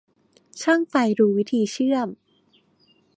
ช่างไฟรู้วิธีเชื่อม